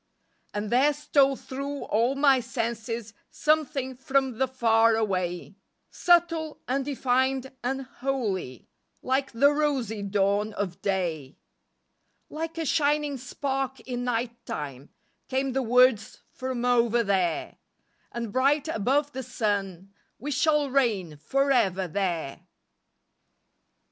And there stole thru all my senses Something from the far away, Subtile, undefined and holy, Like the rosy dawn of day. Like a shining spark in night time Came the words from over there, "And bright above the sun," "We shall reign forever there."